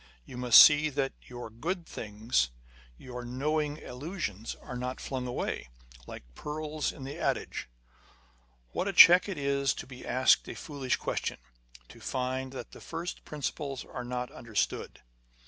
You must see that your good things, your knowing allusions, are not flung away, like the pearls in the adage. What a check it is to be asked a foolish question ; to find that the first principles are not under stood